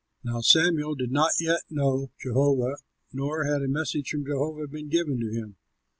Now Samuel did not yet know Jehovah nor had a message from Jehovah been given to him.